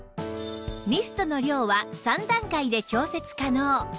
ミストの量は３段階で調節可能